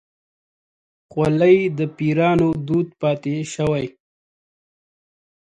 خولۍ د پيرانو دود پاتې شوی.